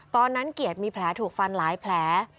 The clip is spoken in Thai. ตอนนั้นเกียรติมีแผลถูกฟันหลายแผล